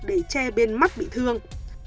để che bên mắt bị thương